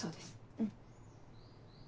うん。